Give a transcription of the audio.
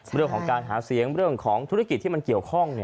เรื่องของการหาเสียงเรื่องของธุรกิจที่มันเกี่ยวข้อง